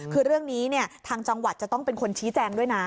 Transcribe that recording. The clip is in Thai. คือเรื่องนี้ทางจังหวัดจะต้องเป็นคนชี้แจงด้วยนะ